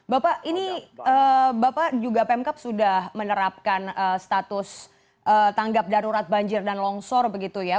bapak ini bapak juga pemkap sudah menerapkan status tanggap darurat banjir dan longsor begitu ya